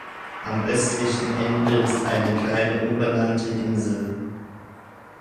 Am östlichen Ende ist eine kleine unbenannte Insel.